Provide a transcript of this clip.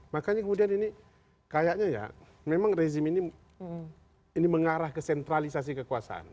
makanya kemudian ini kayaknya ya memang rezim ini mengarah ke sentralisasi kekuasaan